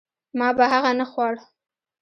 ما به هغه نه خوړ.